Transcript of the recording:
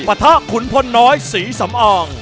ปะทะขุนพลน้อยศรีสำอาง